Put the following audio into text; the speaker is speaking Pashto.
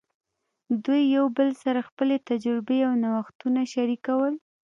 دوی یو بل سره خپلې تجربې او نوښتونه شریکول.